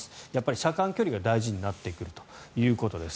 車間距離が大事になってくるということです。